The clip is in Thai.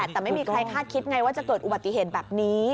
แต่ไม่มีใครคาดคิดไงว่าจะเกิดอุบัติเหตุแบบนี้